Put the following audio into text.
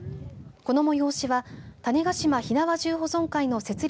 この催しは種子島火縄銃保存会の設立